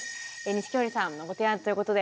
錦織さんのご提案ということで。